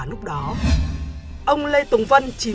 lúc đó ông lê tùng vân